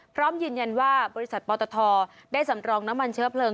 พร้อมยืนยันว่าบริษัทปตทได้สำรองน้ำมันเชื้อเพลิง